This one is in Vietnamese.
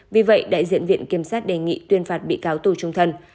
vì vậy đại diện viện kiểm sát đề nghị tuyên phạt bị cáo tù trung thân